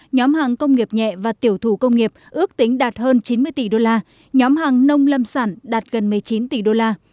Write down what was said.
nhóm hàng công nghiệp nhẹ và tiểu thủ công nghiệp ước tính đạt hơn chín mươi tỷ đô la nhóm hàng nông lâm sản đạt gần một mươi chín tỷ đô la